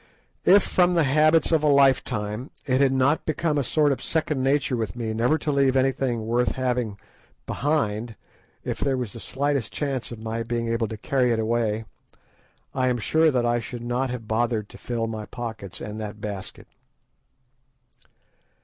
If from the habits of a lifetime, it had not become a sort of second nature with me never to leave anything worth having behind if there was the slightest chance of my being able to carry it away, I am sure that I should not have bothered to fill my pockets and that basket.